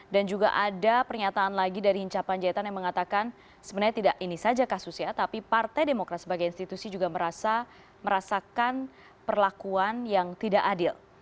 dan juga ada pernyataan lagi dari hincapan jaitan yang mengatakan sebenarnya tidak ini saja kasus ya tapi partai demokrat sebagai institusi juga merasakan perlakuan yang tidak adil